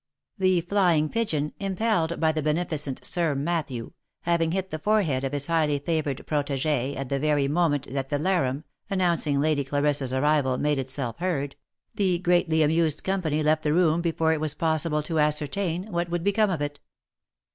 The flying pigeon, impelled by the beneficent Sir Matthew, having hit the forehead of his highly favoured protege at the very moment that the larum, announcing Lady Clarissa's arrival made itself heard, the greatly amused company left the room before it was possible to ascertain what would become of it.